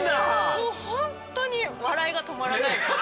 もう本当に笑いが止まらないですね。